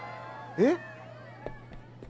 えっ？